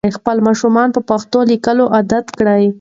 خپل ماشومان په پښتو لیکلو عادت کړئ.